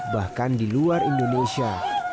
bahkan di luar indonesia